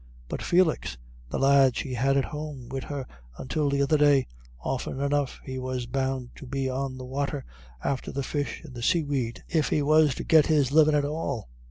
But Felix, the lad she had at home wid her until the other day, often enough he was bound to be on the wather, after the fish and the sayweed, if he was to get his livin' at all.